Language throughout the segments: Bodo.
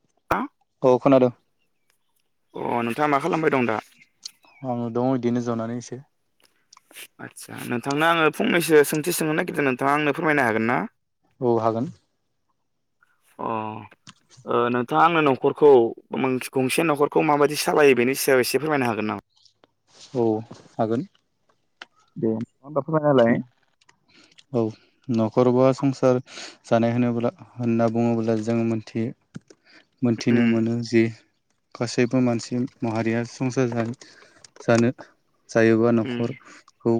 [inaudible] औ खोनादों। अ नोंथाङा मा खालामबाय दं दा? आङो दं इदिनो जनानै एसे। आदसा नोंथांनो आङो फंनैसो सोंथि सोंनो नागिरदों नोंथाङा आंनो फोरमायनो हागोन ना औ हागोन अ ओ नोंथाङा आंनो न'खरखौ गंसे न'खरखौ माबायदि सालायो बेनि सायाव एसे फोरमायनो हागोन नामा औ हागोन दे होमबा फोरमायनालाय औ न'खर बा संसार जानाय होनोब्ला होनना बुङोब्ला जों मोनथियो मोनथिनो उम मोनो जि गासैबो मानसि माहारिया संसार जानो जायोबा उम न'खरखौ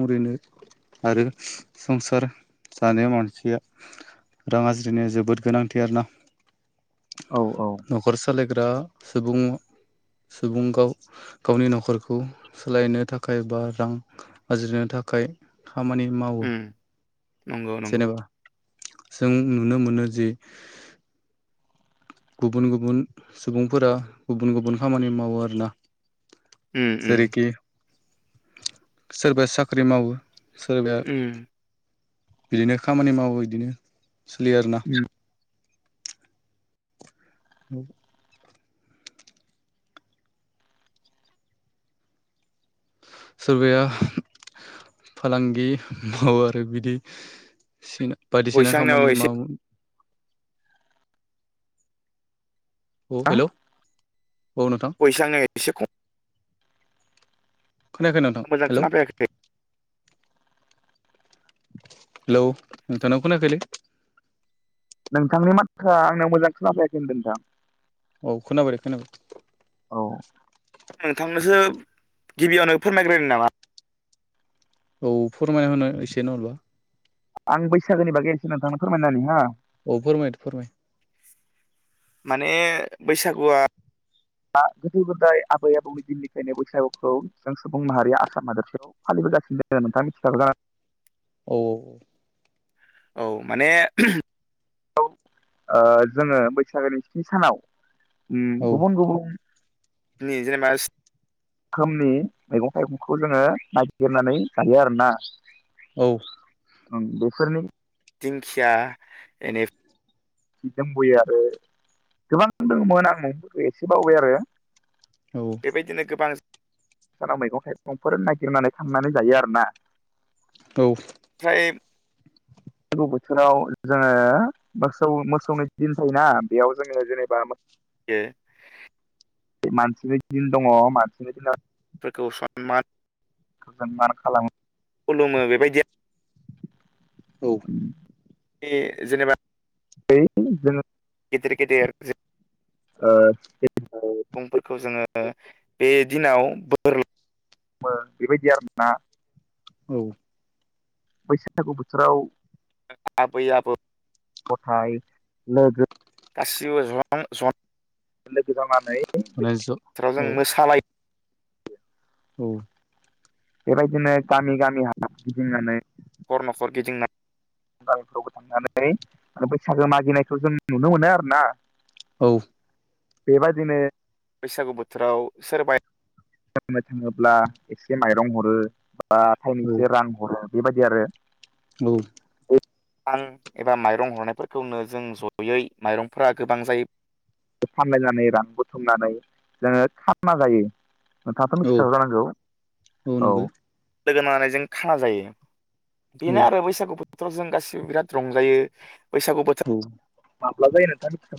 ओरैनो आरो संसार जानाय मानसिया रां आरजिनाया जोबोद गोनांथि आरोना औ औ न'खर सालायग्रा सुबुं सुबुं गाव गावनि न'खरखौ सोलायनो थाखाय बा रां आरजिनो थाखाय खामानि मावो। उम नंगौ नंगौ जेनेबा जों नुनो मोनो जे गुबुन गुबुन सुबुंफोरा गुबुन गुबुन खामानि मावो आरोना। उम उम सोरबा साख्रि मावो। सोरबा उम बिदिनो खामानि मावो इदिनो सोलियो आरोना। औ सोरबाया फालांगि मावो आरो बिदि सिन बायदिसिना भयसा आंनियाव खामानि एसे मावो। औ हेलौ औ नोंथां [unintelligible] एसे खम खोनायाखै नोंथां मोजां हेलौ। खोनाफैयाखै हेलौ नोंथां नाव खोनायाखैलै‌। नोंथांनि माथोआ आंनाव मोजां खोनफायाखै होनदों नोंथां। औ खोनाबाय दे खोनाबाय औ नोंथांनोसो गिबियावनो फोरमायग्रोनो नामा? औ फोरमायना होनो एसे नहलिबा आं बैसागोनि बागै एसो नोंथांनो फोरमायना होनि हा। औ फोरमाय फोरमाय माने बैसागुआ दा गोदो गोदाय आबै आबौनि दिननिफ्रायनो बैसागुखौ जों सुबुं माहारिया आसाम हादोरसायाव फालिबोगासिनो नोंथाङा मिथिखागौ जानां औ औ माने औ जोङो बैसागोनि स्नि सानाव औ गुबुन गुबुन [unintelligible] रोखोमनि मैगं थाइगंखौ जोङो नायगिरनानै जायो आरोना। औ बेफोरनि दिंखिया एनि दोंबोयो आरो गोबां दङमोन आं मुंखौ एसे बावबाय आरो। बेबायदिनो गोबां सानाव मैगं थाइगंफोर नायगिरनानै खांनानै जायो आरोना। औ ओमफ्राय [unintelligible] बोथोराव जोङो मोस सौ मोसौनो दिन थायोना बेयाव जोङो जेनेबा मानसिनि दिन दङ मानसिनि दिनाव [unintelligible] सनमानमान खालामो खुलुमो बेबायदि औ [unintelligible] जेनेबा जों गेदिर गेदेर ओ सुबुंफोरखौ जोङो बे दिनाव बोर बेबायदि आरोना औ बैसागु बोथोराव आबै आबौ गथाय लोगो गासिबो लोगो जनानै नै बैसागु रायज' बोथोराव जों औ औ मोसालायो औ बेबायदिनो गामि गामि हा गिदिंनानै न'खर न'खर गिदिंना [unintelligible] थांनानै बैसागो मागिनायखौ जों नुनो मोनो आरोना औ बेबादिनो बैसागु बोथोराव सोरबाया ब्ला एसे माइरं हरो बा थाइनैसो रां हरो बेबायदि आरो औ रां एबा माइरं हरनायफोरखौनो जों जयै माइरंफोरा गोबां जायो। फानलायनानै रां बुथुमनानै जोङो खामना जायो। नोंथांआथ' औ मिथिखागौ जानांगौ औ लोगो नांनायनै जों खाना जायो। बेनो औ आरो बैसागु बोथोराव जों गासिबो बिराद रंजायो। बैसागु बोथोर औ माब्ला जायो नोंथाङ मिथि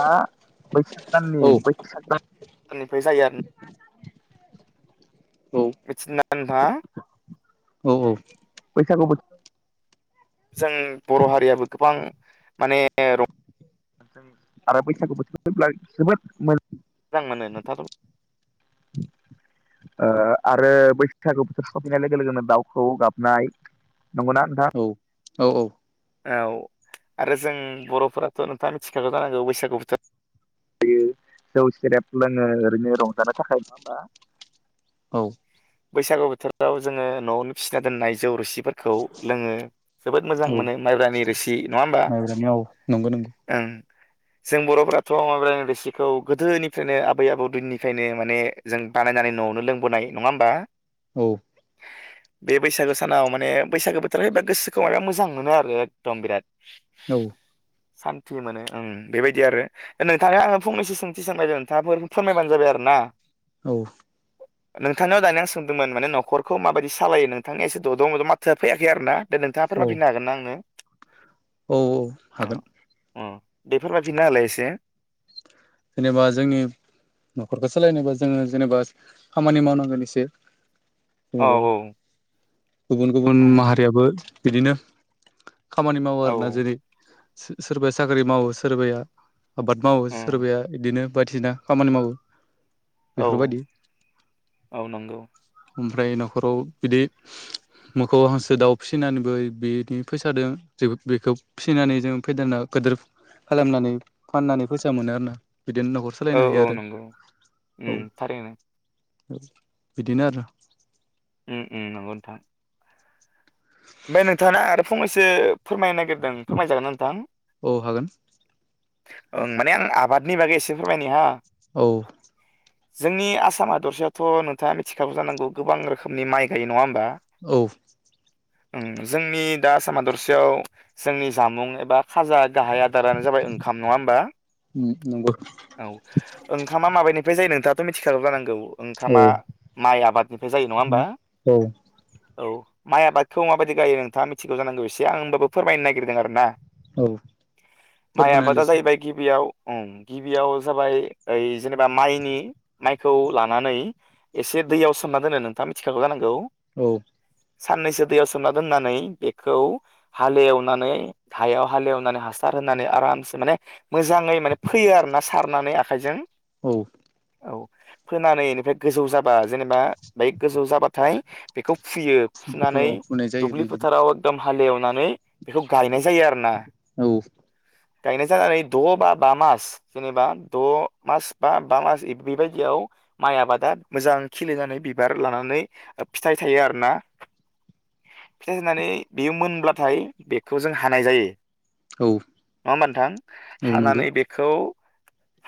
दा बैसाग दाननि औ बैसाग दाननिफ्राय जायो आरो औ मिथिदो ना नोंथा औ बैसागु बो जों बर' हारियाबो गोबां माने रं आरो बैसागु बोथोर होनब्ला जोबोद मोजां मोनो नोथाङाथ आरो बैसागु बोथोर सफैनाय लोगो लोगोनो दाउखौ गाब नाय औ औ औ औ आरो जों बर'फोराथ' नोंथाङा मिथिखागौ जानांगौ बैसागु बोथो दि जौ सेरेब लोङो ओरैनो रंजानो थाखाय होनङा औ बैसागु बोथोराव जोङो न'आवनो फिसिना दोननाय जौ रोसि फोरखौ लोङो जोबोद मोजां औ मोनो माइब्रानि रोसि नङा होमबा माइब्रानि औ नंगौ नंगौ ओं जों बर'फोराथ' मायब्रानि रोसिखौ गोदोनिफ्रायनो आबै आबौ दिननिफ्रायनो माने जों बानायनानै न'आवनो लोंबोनाय नङा होम बा औ बे बैसागो सानाव माने बैसागो बोथोर फायबा गोसोखौ माबबा मोजां मोनो आरो एकदम बिराद। औ सान्थि मोनो ओं बेबायदि आरो ओ नोंथांनाव आङो फंनैसो सोंथि सोंनायदोमोन नोंथाङा फोर फोरमायबानो जाबाय आरो ना औ ओ नों थांनाव दानि आं सोंदोंमोन माने नखरखौ माबायदि सालायो नोंथांनिया एसे दद' मद' माथोआ फैयाखै आरो ना दे नोंथाङा फोरमाय फिननो हागोन ना आंनो। औ-औ हागोन। बेफोरमाय फिनना होलाय एसे। जेनेबा जोंनि नखरखो सालायनोबा जोङो जेनेबा खामानि मावनांगोन एसे। जेनेबा औ-औ गुबुन गुबुन माहारियाबो। बिदिनो खामानि मावो औ आरोना जेरै। सो सोरबाया साख्रि मावो सोरबाया आबाद मावो। उम सोरबाया बिदिनो बायदिसिना खामानि मावो। औ बेफोरबायदि औ नंगौ ओमफ्राय नखराव बिदि मोखौ हांसो दाउ फिसिनानैबो बि-इदि फैसादों जेबो बेखौ फिसिनानै जों फेदेरना गोदोर खालामनानै फाननानै फैस सा मोनो आरोना। बिदिनो न'खर सालायनो हायो औ-औ आरो नंगौ ओम थारैनो। ओ बिदिनो आरो। उम उम नंगौ नोंथां। ओमफ्राय नोंथाङा आरो फुंनैसो फोरमायनो नागिर दों फोरमाय जागोनना नोंथां। औ हागोन ओं माने आं आबादनि बागै एसे फोरमायनि हा। औ जोंनि आसाम हादरसायावथ नोंथाङा मिथिखागौ जानांगौ गोबां रोखोमनि माइ गायो नङा होम औ ओं जोंनि दा आसाम हादरसायाव जोंनि जामुं एबा। खाजा गाहाय आदारानो जाबाय ओंखाम नङा होमबा नंगौ औ ओंखामा माबेनिफ्राय जायो नोंथां। थां मिथिखागौ जांगौ। औ ओंखामा माइ आबादनिफ्राय जायो नङा होमबा? औ औ माइ आबाद खौ माबायदि गायो नोंथाङा मिथिगौ जानांगौ एसे आं होमबाबो फोरमायनो नागिरदों आरोना। औ माइ फोरबोनालाय आबादा जाहैबाय गिबियाव उम गिबियाव जाबाय ओइ जेनेबा माइनि माइखौ लानानै एसे दैयाव सोमना दोनो नोंथाङा मिथिखागौ जानांगौ। औ। साननैसो दैयाव सोमना दोननानै बेखौ हालेवनानै हायाव हालेवनानै हासार होनानै आरामसे माने मोजाङै माने फोयो आरोना सारनानै आखाइजों। औ। औ फोनानै इनिफ्राय गोजौ जाबा जेनेबा बै गोजौ जाबाथाय बेखौ फुयो फुनानै फुनाय जायो दुुबलि बिदिनो फोथाराव एकदम हालेवनानै बेखौ गायनाय जायो आरोना। औ गायनाय जानानै द' बा बा मास जेनेबा द' मास बा बा मास बे-बेबायदियाव माइ आबादा मोजां खिलिनानै बिबार लानानै ओ फिथाइ थायो आरोना। फिथाइ होनानै बेयो मोनब्लाथाय बेखौ जों हानाय जायो। औ नङा होमबा नोंथां? औ नंगौ हानानै बेखौ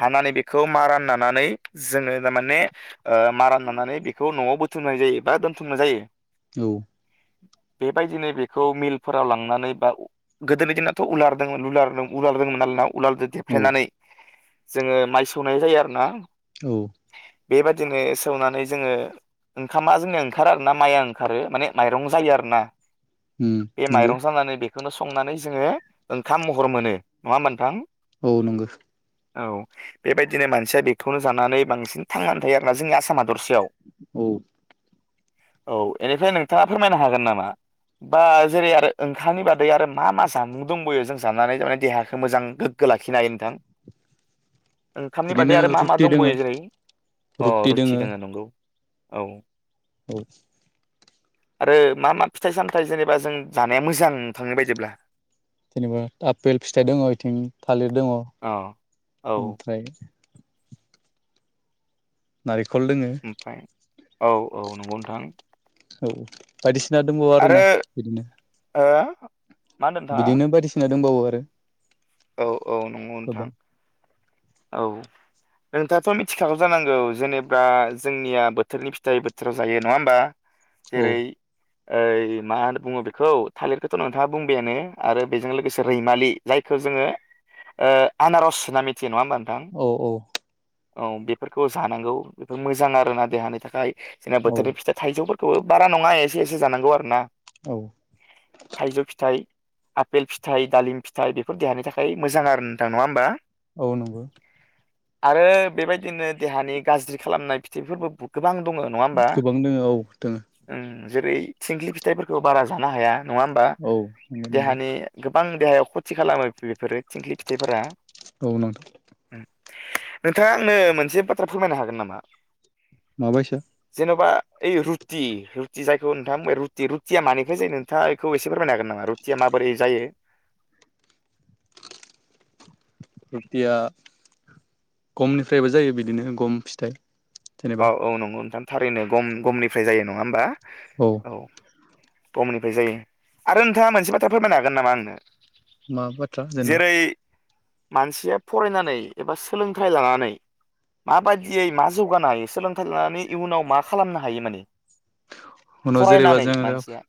हानानै बेखौ मा राननानानै जोङो थारमाने ओ माराननानानै बेखौ न'आव बो थुमनाय जायो बा दोनथुमनाय जायो। औ। बेबायदिनो बेखौ मिलफोराव लांनानै बा गोदोनि दिनाथ' उलारदोंमोन लुलारदं उलारदोंमोन नालायना उलालजों औ देफ्लेनानै जोङो माइ सौनाय जायो आरोना। औ। बेबायदिनो सौनानै जोङो ओंखामा जोंनिया ओंखारो आरोना माइआ ओंखारो माने माइरं जायो आरोना। उम बे नंगौ माइरं जानानै बे खौनो संनानै जोङो ओंखाम महर मोनो। नङा होमबा नोंथां? औ नोंगौ। औ बेबायदिनो मानसिया बेखौनो जानानै बांसिन थांनानै थायो आरोना जोंनि आसामा दरसेयाव। औ औ एनिफाय नों थाङा फोरमायनो हागोन नामा बा जेरै आरो ओंखामनि बादै आरो मा मा जामुं दंबयो जों जानानै थारमाने देहाखौ मोजां गोग्गो लाखिनो हायो नोंथां? ओंखामनि बादै बिदिनो आरो मा मा रुटि दोङो दंबावयो जेरै अ रुटि रुथि दोङो दङो नंगौ। औ। औ। आरो मा मा फिथाइ सामथाइ जेनेबा जों जानाया मोजां नोंथांनि बायदिब्ला? जेनेबा आपेल फिथाइ दङ बिथिं थालिर दङ औ औ ओमफ्राय नारि खल लोङो। ओमफ्राय औ औ नंगौ नोंथां। औ बायदिस ना दंबावो आरो आरोना बिदिनो। ओ मा होनदों नोंथाङा बिदिनो बायदिसिना दोंबावो आरो। औ औ नंगौ नोंथां। गोबां औ नोंथाङाथ मिथिखागौ जानांगौ जेनेबा जोंनिया बोथोरनि फिथाइ बोथोराव जायो नङा होमबा। औ जेरै ओइ मा होन बुङो बेखौ थालिरखौथ नोंथाङा बुंबायानो आरो बेजों लोगोसे रैमालि जाय खौ जोङो ओ आनारस होनना मिथि थियो नङा होनबा नोंथां? औ औ औ बेफोरखौ जानांगौ बेफोर मोजां आरोना देहानि थाखाय जोंना औ बोथोरनि फिथाइ थाइजौबो थ बारा नङा एसे एसे जानांगौ आरो ना। औ थायजौ फिथाइ आफेल फिथाइ दालिम फिथाइ बि बेफोर देहानि थाखाय मोजां आरो नोंथां नङा होमबा औ नंगौ नोंथां आरो बेबायदिनो देहानि गाज्रि खालामनाय फिथाइफोरबो गोबां दङ नङा होमबा गोबां दोङो औ दोङो ओम जेरै थिंख्लि फिथायफोरखौ बारा जानो हाया। नङा होमबा औ नंगौ नंगौ देहानि गो बां देहायाव थि खालामो बेफोरो थिंख्लि फिथायफोरा औ नोंथां नोंथाङा आंनो मोनसे बाथ्रा फोरमायनो हागोन नामा? माबायसा बा ओइ रुटि रुटि जायखौ नोंथां बे रुटिखौ थिया मानिफ्राय जायो नोंथाङा बेखौ एसे फोरमायनो हागोन नामा रुटिया माबोरै जायो? रुटिया गमनिफ्रायबो जायो बिदिनो गम फिथाइ। जेनेबा औ औ नंगौ नोंथां थारैनो गम गमनिफ्राय जायो नङा होमबा। औ गमनिफ्राय जायो आरो नोंथाङा मोनसे बाथ्रा फोरमायनो हागोन नामा आंनो? मा बाथ्रा जेनेबा जेरै मानसिया फरायनानै एबा सोलोंथाइ लानानै माबायदियै मा जौगानो हायो? सोलोंथाइ लानानै इयुनाव मा खालामनो हायो माने? उनाव जेनेबा फरायनानै जोङो मानसिया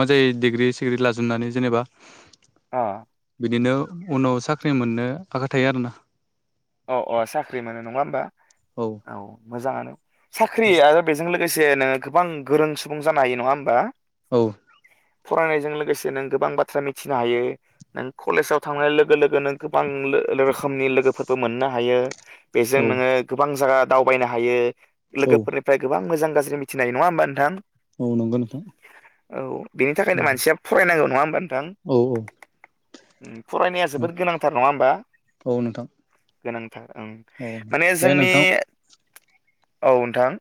मोजाङै डिग्रि सिग्रि लाजोबनानै जेनेबा अ बिदिनो उनाव साख्रि मोननो आखा थायो आरोना। अ अ साख्रि मोनो नङा होमबा औ मोजाङानो साख्रि औ आरो बेजों लो गोसे नोङो गोबां गोरों सुबुं जानो हायो नङा होमबा औ फरायनायजों लोगोसे नों गोबां बाथ्रा मिथिनो हायो। नों कलेजाव थांनाय लोगो लोगो नों गोबां लो रोखोमनि लोगोफोर हायो। बेजों नोङो गोबां जायगा दावबायनो हायो औ लोगोफोरनिफ्राय गोबां मोजां गाज्रि मिथिनाय नङा होनबा नोंथां? औ नंगौ नोंथां। औ। बेनि थाखायनो मानसिया फरायनांगोन नङा होमबा औ औ फरायनाया जोबोद गोनांथार नङा होमबा? औ नोंथां गोनां ओं औ माने दे जोंनि नोंथां औ नोंथां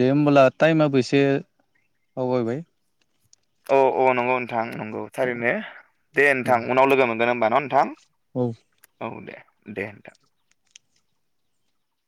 दे होमबला टाइमाबो एसे आवगायबाय औ औ नंगौ नोंथां नंगौ। औ थारैनो। दे औ नोंथां उनाव लोगो मोनगोन होमबा ना नोंथां। औ औ दे दे नोंथां।